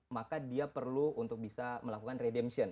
maka dia perlu untuk bisa melakukan redemption